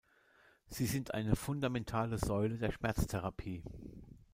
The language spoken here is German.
Sie sind eine fundamentale Säule der Schmerztherapie.